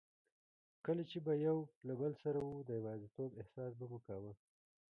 کله چي به یو له بل سره وو، د یوازیتوب احساس به مو کاوه.